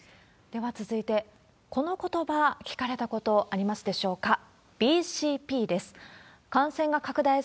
では、続いて、このことば、聞かれたことありますでしょうか？